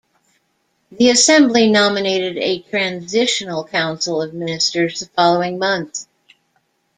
The Assembly nominated a transitional Council of Ministers the following month.